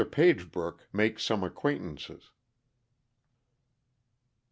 Pagebrook makes Some Acquaintances.